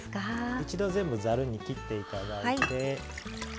一度、全部ざるに切っていただいて。